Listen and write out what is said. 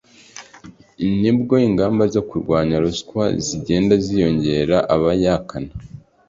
nubwo ingamba zo kurwanya ruswa zigenda ziyongera, abayaka na